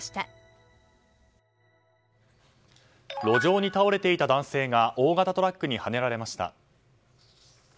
路上に倒れていた男性が大型トラックにはねられました。